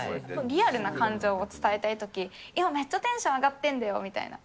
リアルな感情を伝えたいとき、今、めっちゃテンション上がってるんだよ、みたいな。